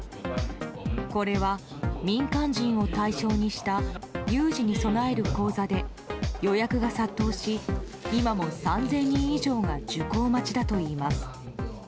これは、民間人を対象にした有事に備える講座で予約が殺到し今も３０００人以上が受講待ちだといいます。